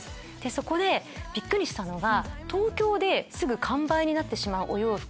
そこでびっくりしたのが。